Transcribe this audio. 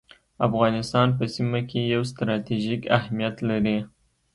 افغانستان په سیمه کي یو ستراتیژیک اهمیت لري